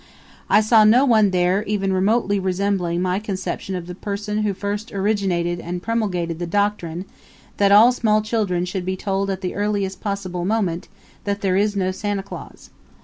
I saw no one there even remotely resembling my conception of the person who first originated and promulgated the doctrine that all small children should be told at the earliest possible moment that there is no Santa Claus.